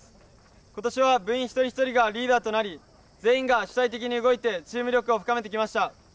ことしは部員一人一人がリーダーとなり、全員が主体的に動いてチーム力を深めてきました。